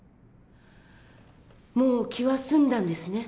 もう気は済んだんですね？